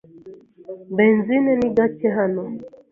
Benzine ni gake hano.